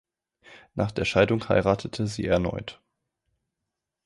Nach der Scheidung heiratete sie erneut.